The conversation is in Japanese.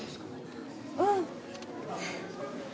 うん。